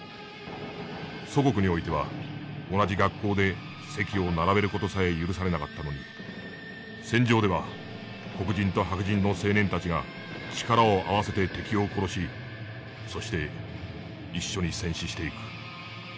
祖国においては同じ学校で席を並べる事さえ許されなかったのに戦場では黒人と白人の青年たちが力を合わせて敵を殺しそして一緒に戦死していく。